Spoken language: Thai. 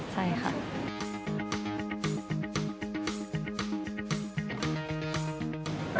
ใช่ค่ะ